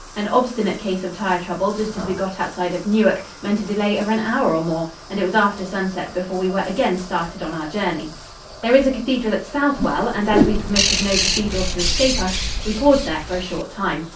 An obstinate case of tire trouble just as we got outside of Newark meant a delay of an hour or more, and it was after sunset before we were again started on our journey. There is a cathedral at Southwell, and as we permitted no cathedral to escape us, we paused there for a short time.